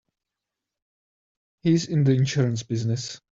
He's in the insurance business.